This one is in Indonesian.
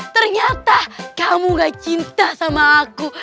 ternyata kamu gak cinta sama aku